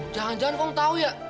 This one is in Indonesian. jangan jangan kau tahu ya